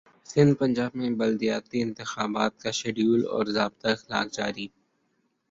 سندھپنجاب میں بلدیاتی انتخابات کاشیڈول اور ضابطہ اخلاق جاری